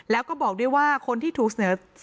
และการแสดงสมบัติของแคนดิเดตนายกนะครับ